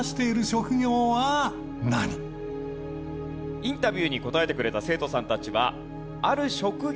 インタビューに答えてくれた生徒さんたちは。